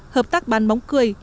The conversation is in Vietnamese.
hợp tác bán bóng cười